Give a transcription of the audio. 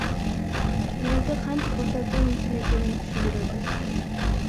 Мэрди кантип бошотуу мүмкүн экенин түшүндүрөбүз.